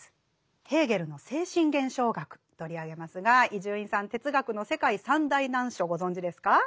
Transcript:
ヘーゲルの「精神現象学」取り上げますが伊集院さん哲学の世界三大難書ご存じですか？